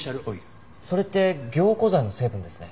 それって凝固剤の成分ですね。